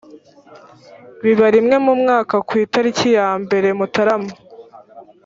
biba rimwe mu mwaka ku itariki ya mbere mutarama